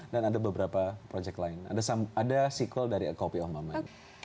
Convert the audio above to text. dan ada beberapa proyek lain ada sequel dari a copy of my mind